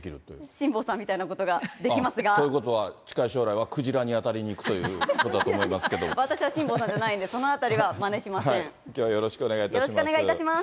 辛坊さんみたいなことができますが。ということは、近い将来は、クジラに当たりにいくということ私は辛坊さんじゃないんで、きょうはよろしくお願いいたよろしくお願いいたします。